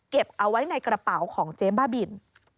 เอาไว้ในกระเป๋าของเจ๊บ้าบิน